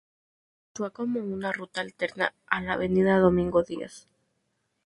Actúa como una ruta alterna a la Avenida Domingo Díaz.